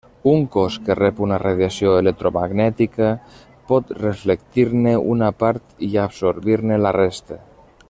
Un cos que rep una radiació electromagnètica pot reflectir-ne una part i absorbir-ne la resta.